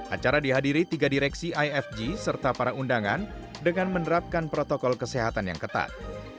acara dihadiri tiga direksi ifg serta para undangan dengan menerapkan protokol kesehatan yang ketat